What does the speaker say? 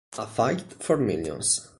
A Fight for Millions